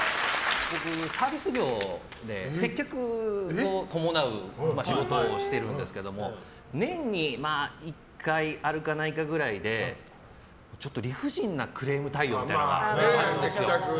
僕、サービス業で接客を伴う仕事をしてるんですけども年に１回あるかないかくらいでちょっと理不尽なクレーム対応みたいなのがあるんですよ。